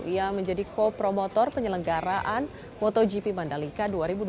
yang menjadi co promotor penyelenggaraan motogp mandalika dua ribu dua puluh